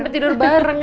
sampai tidur bareng